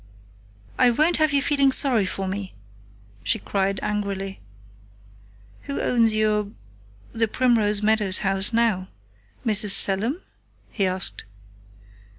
"I won't have you feeling sorry for me!" she cried angrily. "Who owns your the Primrose Meadows house now? Mrs. Selim?" he asked.